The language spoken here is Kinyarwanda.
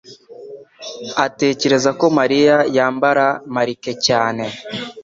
atekereza ko Mariya yambara marike cyane.